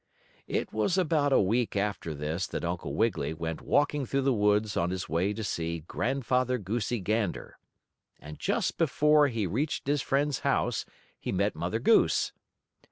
It was about a week after this that Uncle Wiggily went walking through the woods on his way to see Grandfather Goosey Gander. And just before he reached his friend's house he met Mother Goose.